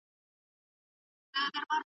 زه زدکړه کړې ده،